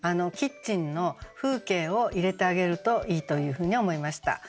キッチンの風景を入れてあげるといいというふうに思いました。